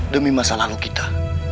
demi masa lalu kita